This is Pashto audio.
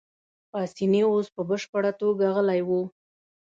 پاسیني اوس په بشپړه توګه غلی وو.